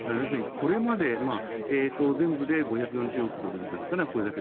これまで全部で５４０億ドルなのかな。